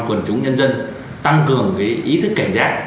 quần chúng nhân dân tăng cường ý thức cảnh giác